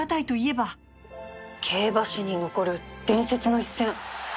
競馬史に残る伝説の一戦。